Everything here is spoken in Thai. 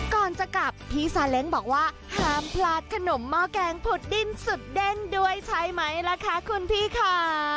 ก่อนจะกลับพี่ซาเล้งบอกว่าห้ามพลาดขนมหม้อแกงผุดดิ้นสุดเด้นด้วยใช่ไหมล่ะคะคุณพี่ค่ะ